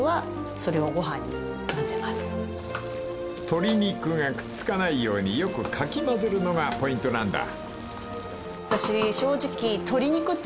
［鶏肉がくっつかないようによくかき混ぜるのがポイントなんだ］